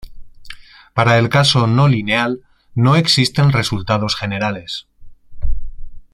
Para el caso no lineal no existen resultados generales.